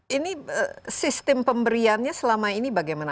ini sistem pemberiannya selama ini bagaimana